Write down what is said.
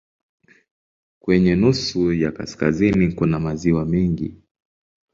Kwenye nusu ya kaskazini kuna maziwa mengi.